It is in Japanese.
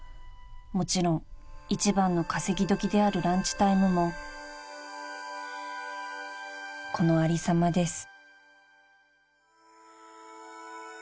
［もちろん一番の稼ぎ時であるランチタイムもこのありさまです］